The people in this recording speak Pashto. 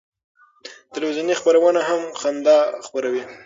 تلویزیوني خپرونه هم خندا خپروي.